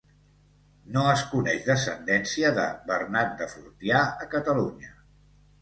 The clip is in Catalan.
No es coneix descendència de Bernat de Fortià a Catalunya.